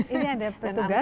ini ada petugas